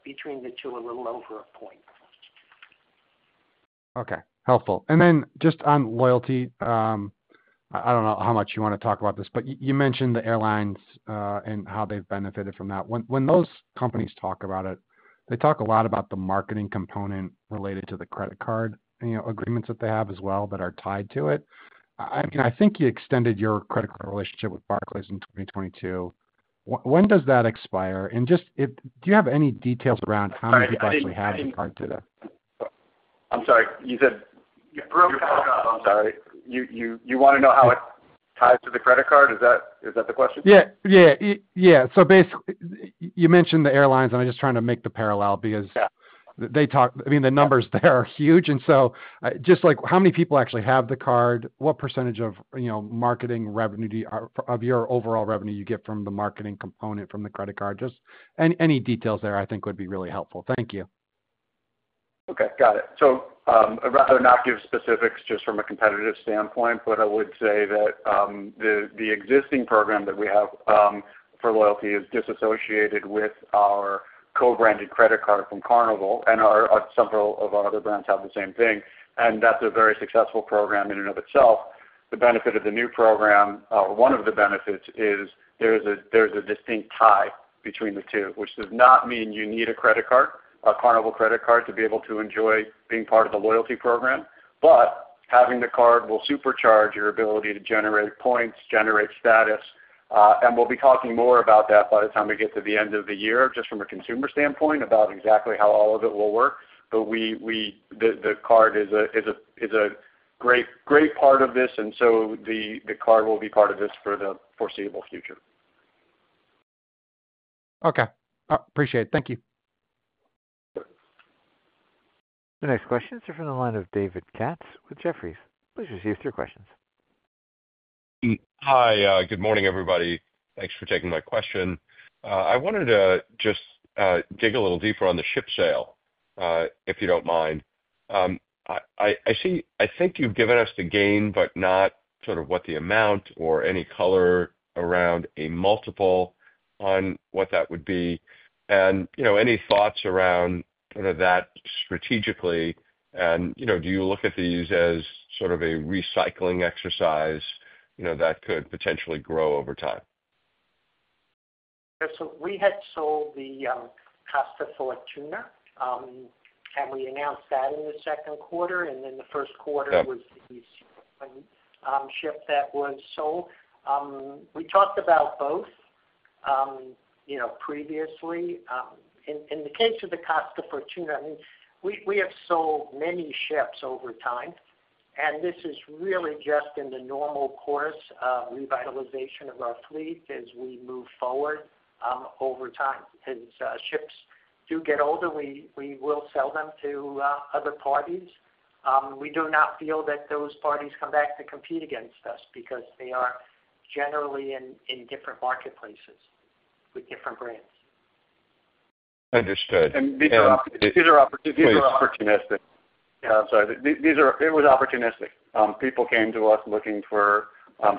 between the two, a little over a point. Okay, helpful. Then just on loyalty, I do not know how much you want to talk about this, but you mentioned the airlines and how they have benefited from that. When those companies talk about it, they talk a lot about the marketing component related to the credit card, you know, agreements that they have as well. Are tied to it. I mean, I think you extended your credit card relationship with Barclays in 2022. When does that expire? And just do you have any details around how many people actually have the card data? I'm sorry, you want to know how it ties to the credit card? Is that the question? Yeah, yeah. Basically, you mentioned the airlines and I am just trying to make the parallel because I mean the numbers there are huge. Just like, how many people actually have the card? What percentage of marketing revenue, of your overall revenue, do you get from the marketing component from the credit card? Just any details there, I think would be really helpful. Thank you. Okay, got it. I'd rather not give specifics just from a competitive standpoint, but I would say that the existing program that we have for loyalty is disassociated with our co-branded credit card from Carnival, and several of our other brands have the same thing. That's a very successful program in and of itself. The benefit of the new program, one of the benefits, is there's a distinct tie between the two, which does not mean you need a credit card, a Carnival credit card, to be able to enjoy being part of the loyalty program. Having the card will supercharge your ability to generate points, generate status, and we'll be talking more about that by the time we get to the end of the year, just from a consumer standpoint, about exactly how all of it will work. The card is a great part of this, and so the card will be part of this for the foreseeable future. Okay, appreciate it. Thank you. The next questions are from the line of David Katz with Jefferies. Please proceed with your questions. Hi, good morning, everybody. Thanks for taking my question. I wanted to just dig a little deeper on the ship sale, if you do not mind. I think you have given us the gain, but not sort of what the amount or any color around a multiple on what that would be and any thoughts around that strategically. Do you look at these as sort of a recycling exercise that could potentially grow over time? We had sold the Costa Fortuna and we announced that in the second. Quarter, and then the first quarter was. The ship that was sold. We talked about both previously. In the case of the Costa Fortuna, we have sold many ships over time, and this is really just in the normal course of revitalization of our fleet as we move forward over time. As ships do get older, we will sell them to other parties. We do not feel that those parties come back to compete against us because they are generally in different marketplaces with different brands. Understood these are opportunistic. It was opportunistic. People came to us looking for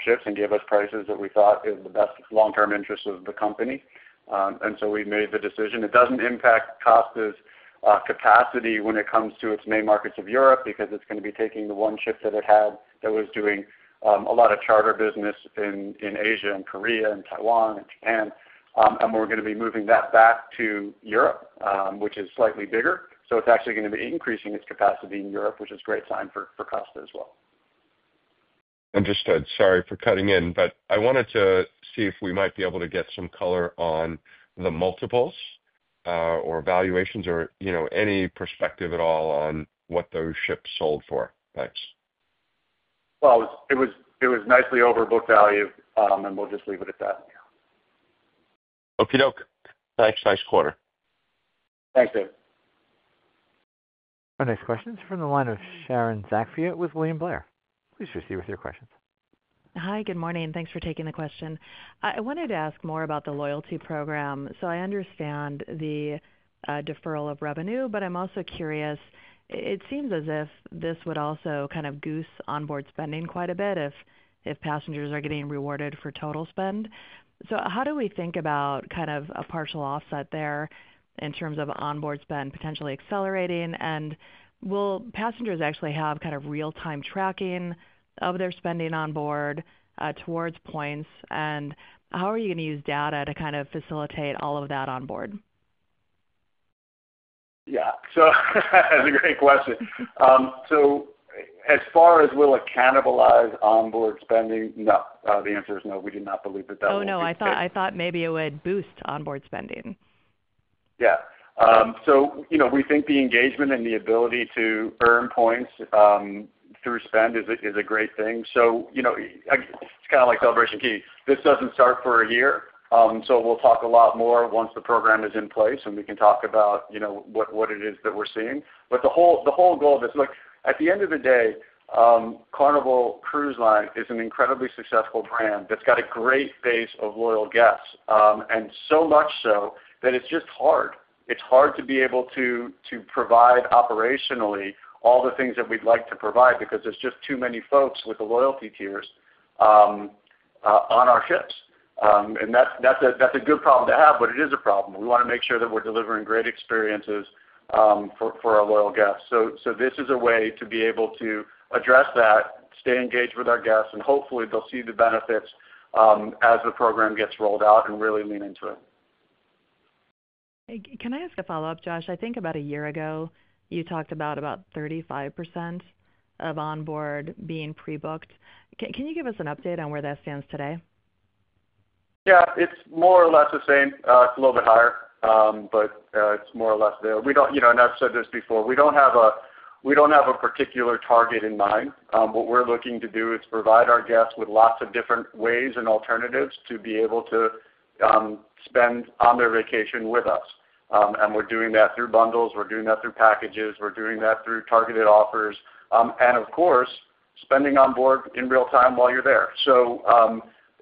ships and gave us prices that we thought in the best long term interest of the company. We made the decision. It does not impact Costa's capacity when it comes to its main markets of Europe, because it is going to be taking the one ship that it had that was doing a lot of charter business in Asia and Korea and Taiwan and Japan, and we are going to be moving that back to Europe, which is slightly bigger. It is actually going to be increasing its capacity in Europe, which is a great time for Costa as well. Understood. Sorry for cutting in, but I wanted to see if we might be able to get some color on the multiples or valuations or any perspective at all on what those ships sold for. Thanks. It was nicely over book value and we'll just leave it at that. Okey Josh. Thanks. Nice quarter. Thanks, Dave. Our next question is from the line of Sharon Zackfia with William Blair. Please proceed with your questions. Hi, good morning. Thanks for taking the question. I wanted to ask more about the loyalty program. I understand the deferral of revenue, but I'm also curious. It seems as if this would also kind of goose onboard spending quite a bit if passengers are getting rewarded for total spend. How do we think about kind of a partial offset there in terms of onboard spend potentially accelerating? Will passengers actually have kind of real time tracking of their spending on board towards points? How are you going to use data to kind of facilitate all of that on board? Yeah, so that's a great question. As far as will it cannibalize onboard spending, no. The answer is no. We do not believe that that would be. Oh, no, I thought maybe it would boost onboard spending. Yeah. So, you know, we think the engagement and the ability to earn points through spend is a great thing. You know, it's kind of like Celebration Key. This does not start for a year, so we will talk a lot more once the program is in place and we can talk about what it is that we are seeing. The whole goal of this, at the end of the day, Carnival Cruise Line is an incredibly successful brand that has got a great base of loyal guests, and so much so that it is just hard. It is hard to be able to provide operationally all the things that we would like to provide because there are just too many folks with the loyalty tiers on our ships. That is a good problem to have, but it is a problem. We want to make sure that we are delivering great experiences for our loyal guests. This is a way to be able to address that, stay engaged with our guests, and hopefully they'll see the benefits as the program gets rolled out and really lean into it. Can I ask a follow up, Josh? I think about a year ago you talked about 35% of onboard being pre booked. Can you give us an update on where that stands today? Yeah, it's more or less the same. It's a little bit higher, but it's more or less there. We don't, you know, and I've said this before, we don't have a, we don't have a particular target in mind. What we're looking to do is provide our guests with lots of different ways and alternatives to be able to spend on their vacation with us. We're doing that through bundles, we're doing that through packages, we're doing that through targeted offers, and of course, spending onboard in real time while you're there.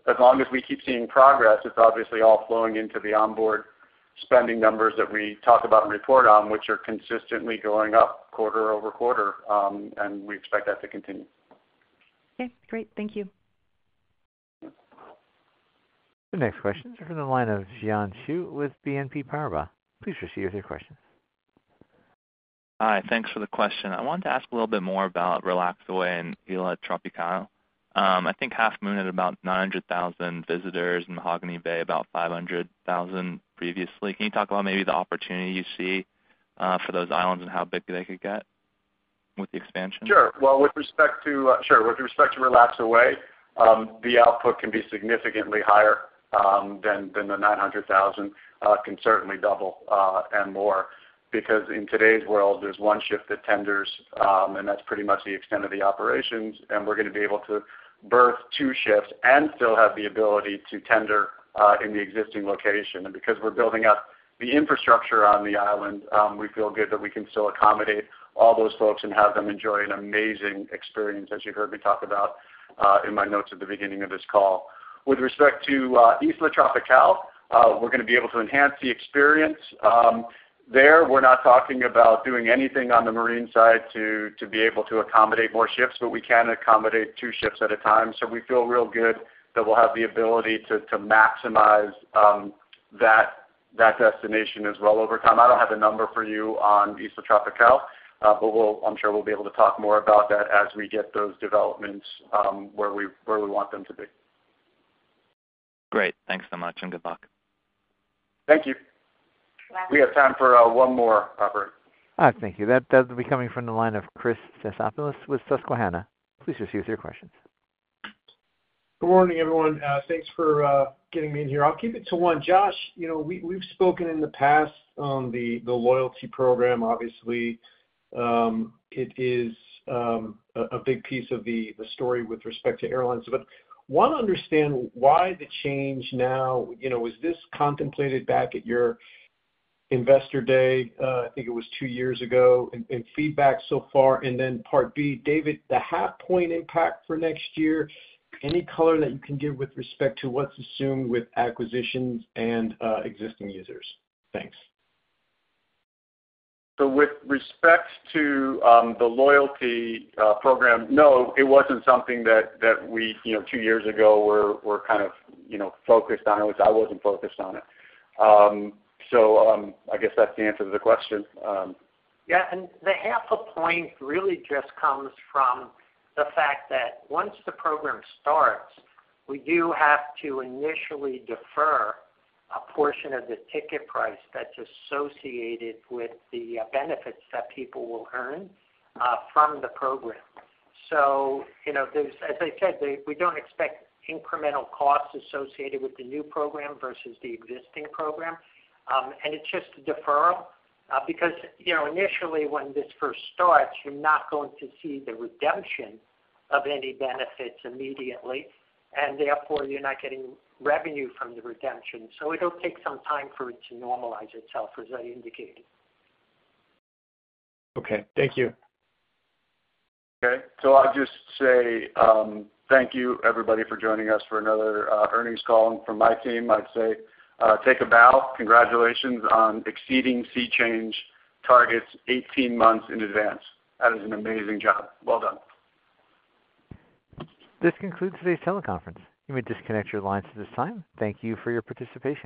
As long as we keep seeing progress, it's obviously all flowing into the onboard spending numbers that we talk about and report on, which are consistently going up quarter over quarter. We expect that to continue. Okay, great. Thank you. The next question is from the line of Jiayan Xu with BNP Paribas. Please proceed with your questions. Hi. Thanks for the question. I wanted to ask a little bit. More about Relax Away and Isla Tropical. I think Half Moon Cay had about 900,000 visitors and Mahogany Bay about 500,000 previously. Can you talk about maybe the opportunity you see for those islands and how. Big they could get with the expansion? Sure. With respect to RelaxAway, the output can be significantly higher than the 900,000, can certainly double and more, because in today's world, there's one ship that tenders, and that's pretty much the extent of the operations. We're going to be able to berth two ships and still have the ability to tender in the existing location because we're building up the infrastructure on the island. We feel good that we can still accommodate all those folks and have them enjoy an amazing experience, as you heard me talk about in my notes at the beginning of this call. With respect to Isla Tropical, we're going to be able to enhance the experience there. We're not talking about doing anything on the marine side to be able to accommodate more ships, but we can accommodate two ships at a time. We feel real good that we'll have the ability to maximize that destination as well over time. I don't have a number for you on Isla Tropical, but I'm sure we'll be able to talk more about that as we get those developments where we want them to be. Great. Thanks so much and good luck. Thank you. We have time for one more. Robert. Thank you. That will be coming from the line of Chris Stathopoulos with Susquehanna. Please proceed with your questions. Good morning, everyone. Thanks for getting me in here. I'll keep it to one. Josh, we've spoken in the past on the loyalty program. Obviously, it is a big piece of the story with respect to airlines. I want to understand why the change now. Was this contemplated back at your Investor Day? I think it was two years ago. And feedback so far. And then part B, David, the half. Point impact for next year, any color that you can give with respect to? What's assumed with acquisitions and existing users? Thanks. With respect to the loyalty program, no, it was not something that we two years ago were kind of focused on. At least I was not focused on it. I guess that is the answer to the question. Yeah. The half a point really just comes from the fact that once the program starts, we do have to initially defer a portion of the ticket price that is associated with the benefits that people will earn from the program. As I said, we do not expect incremental costs associated with the new program versus the existing program. It is just a deferral because initially, when this first starts, you are not going to see the redemption of any benefits immediately, and therefore you are not getting revenue from the redemption. It will take some time for it to normalize itself as I indicated. Okay, thank you. Okay, so I'd just say thank you everybody for joining us. For another earnings call from my team, I'd say take a bow. Congratulations on exceeding sea change targets 18 months in advance. That is an amazing job. Well done. This concludes today's teleconference. You may disconnect your lines at this time. Thank you for your participation.